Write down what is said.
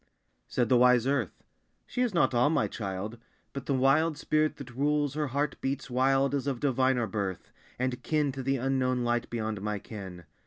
Said the wise earth "She is not all my child. But the wild spirit that rules her heart beats wild Is of diviner birth And kin to the unknown light beyond my ken.